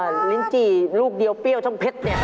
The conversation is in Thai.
ลิ้นจี่ลูกเดียวเปรี้ยวทั้งเพชรเนี่ย